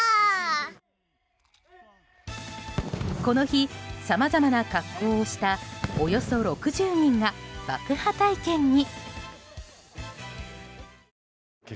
この日、さまざまな格好をしたおよそ６０人が爆破体験に。